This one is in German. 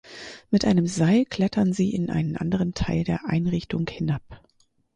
Mit einem Seil klettern sie in einen anderen Teil der Einrichtung hinab.